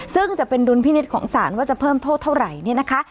ซึ่งจะเป็นดุลพินิษฐ์ของศาลว่าจะเพิ่มโทษเท่าไหร่เนี่ยนะคะ